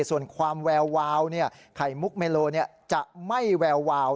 ส่วนความแวววาวไข่มุกเมโลจะไม่แวววาว